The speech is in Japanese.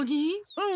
うん。